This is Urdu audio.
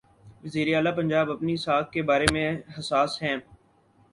وزیر اعلی پنجاب اپنی ساکھ کے بارے میں حساس ہیں۔